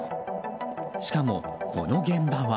しかも、この現場は。